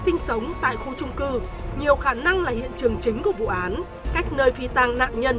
sinh sống tại khu trung cư nhiều khả năng là hiện trường chính của vụ án cách nơi phi tăng nạn nhân